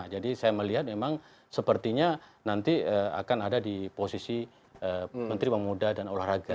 jadi saya melihat memang sepertinya nanti akan ada di posisi menteri pemuda dan olahraga